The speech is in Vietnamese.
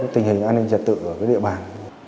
tình hình an ninh trật tự ở địa bàn